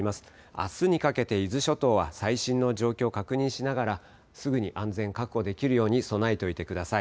あすにかけて伊豆諸島は最新の状況を確認しながらすぐに安全を確保できるように備えておいてください。